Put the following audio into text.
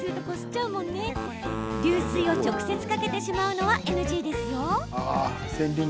流水を直接かけてしまうのはＮＧですよ。